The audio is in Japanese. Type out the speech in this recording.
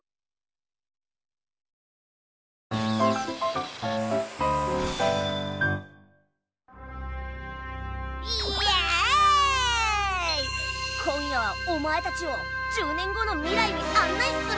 今夜はお前たちを１０年後の未来に案内するぜ！